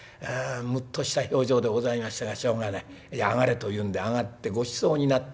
むっとした表情でございましたがしょうがない「上がれ」と言うんで上がってごちそうになった。